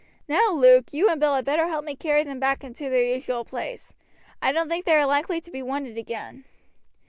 Now, Luke, you and Bill had better help me carry them back to their usual place. I don't think they are likely to be wanted again."